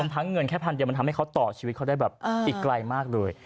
ทั้งเงินแค่พันเดียวมันทำให้เขาต่อชีวิตเขาได้แบบอีกไกลมากเลย